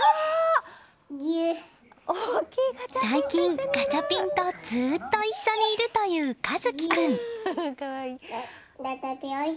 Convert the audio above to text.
最近、ガチャピンとずっと一緒にいるという和希君。